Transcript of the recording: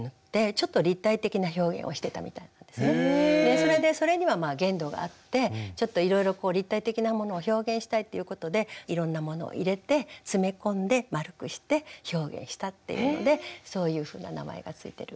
それでそれには限度があってちょっといろいろ立体的なものを表現したいっていうことでいろんなものを入れて詰め込んで丸くして表現したっていうのでそういうふうな名前が付いてる。